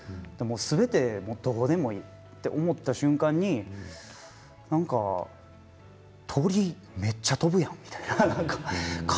すべてどうでもいいと思った瞬間になんか鳥、めっちゃ飛ぶやんって風